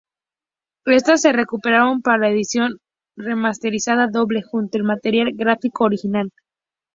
Estas se recuperaron para la edición remasterizada doble, junto al material gráfico original.